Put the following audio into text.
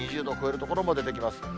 ２０度を超える所も出てきます。